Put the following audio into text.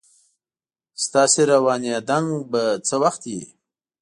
تاس روانیدتک به څه وخت وین